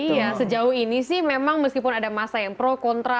iya sejauh ini sih memang meskipun ada masa yang pro kontra